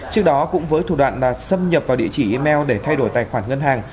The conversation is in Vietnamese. trước đó cũng với thủ đoạn là xâm nhập vào địa chỉ email để thay đổi tài khoản ngân hàng